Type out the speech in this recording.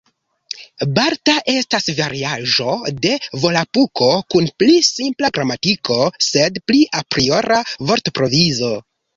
Balta estas variaĵo de Volapuko kun pli simpla gramatiko, sed pli apriora vortprovizo.